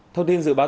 thông tin dự báo